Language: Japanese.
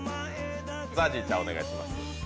ＺＡＺＹちゃん、お願いします。